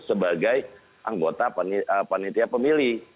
sebagai anggota panitia pemilih